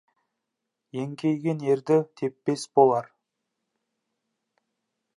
Еңкейген ерді теппес болар.